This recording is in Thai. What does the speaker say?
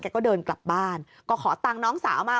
ก็เดินกลับบ้านก็ขอตังค์น้องสาวมา